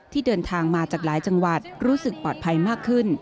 เดินทางมาจากหลายจังหวัดรู้สึกปลอดภัยมากขึ้น